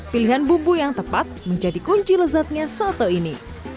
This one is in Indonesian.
pilihan bumbu yang tepat menjadi kunci lezatnya soto ini